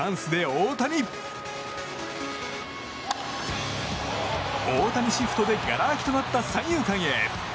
大谷シフトでがら空きとなった三遊間へ。